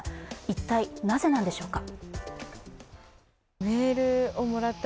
一体、なぜなんでしょうか。